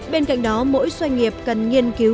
bên cạnh đó mỗi doanh nghiệp cần nghiên cứu rõ mọi thứ